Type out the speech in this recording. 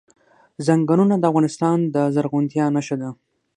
ځنګلونه د افغانستان د زرغونتیا نښه ده.